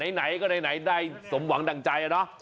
ไหนก็ไหนได้สมหวังดั่งใจเนอะ